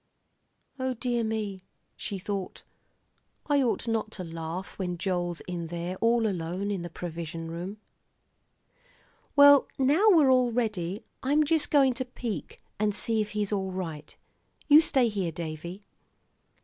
O dear me, she thought, I ought not to laugh when Joel's in there all alone in the provision room. "Well, now we're all ready. I'm just going to peek and see if he's all right. You stay here, Davie."